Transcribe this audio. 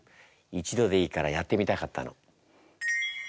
一度でいいからやってみたかったの。